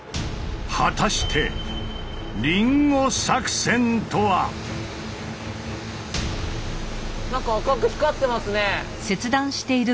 果たしてなんか赤く光ってますね。